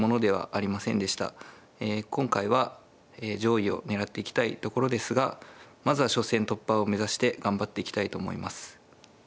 今回は上位を狙っていきたいところですがまずは初戦突破を目指して頑張っていきたいと思います。